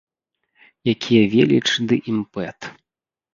Якія веліч ды імпэт!